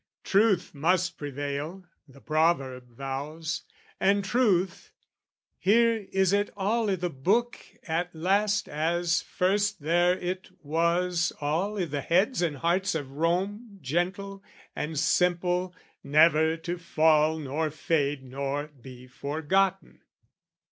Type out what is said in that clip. Truth must prevail, the proverb vows; and truth Here is it all i' the book at last, as first There it was all i' the heads and hearts of Rome Gentle and simple, never to fall nor fade Nor be forgotten.